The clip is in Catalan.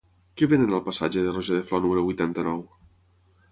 Què venen al passatge de Roger de Flor número vuitanta-nou?